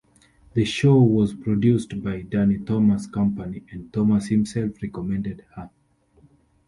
The show was produced by Danny Thomas's company, and Thomas himself recommended her.